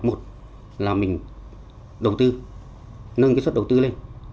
một là mình đầu tư nâng cái suất đầu tư lên